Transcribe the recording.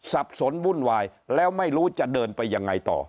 สับสนวุ่นวายแล้วไม่รู้จะเดินไปยังไงต่อ